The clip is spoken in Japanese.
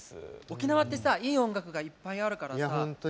沖縄っていい音楽がいっぱいあるからさ。